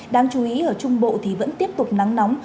đáng chú ý ở trung bộ thì vẫn tiếp tục nắng nóng